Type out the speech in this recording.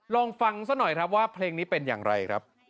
ลองฟังซะหน่อยครับว่าเพลงนี้เป็นอย่างไรครับ